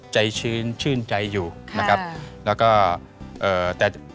ชื้นชื่นใจอยู่นะครับแล้วก็เอ่อแต่